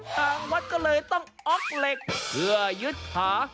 ทางวัดก็เลยต้องอ๊อกเหล็กเพื่อยึดขา